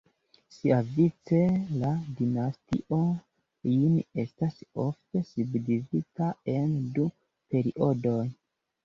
Siavice, la Dinastio Jin estas ofte subdividita en du periodoj.